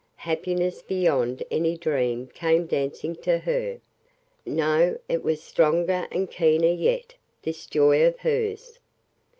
Happiness beyond any dream came dancing to her ... No, it was stronger and keener yet, this joy of hers.